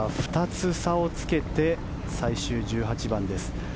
２つ差をつけて最終１８番です。